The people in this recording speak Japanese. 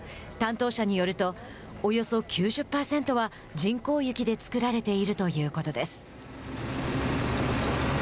担当者によるとおよそ９０％は人工雪で作られているということです。